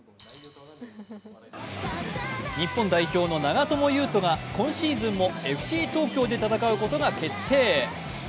日本代表の長友佑都が今シーズンもＦＣ東京で戦うことが決定。